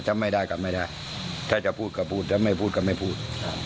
ถ้าจะพูดก็พูดถ้าไม่พูดก็ไม่พูด